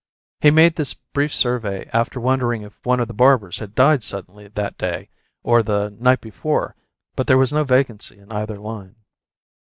He made this brief survey after wondering if one of the barbers had died suddenly, that day, or the night before; but there was no vacancy in either line.